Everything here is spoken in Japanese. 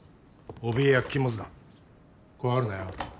おびえは禁物だ怖がるなよ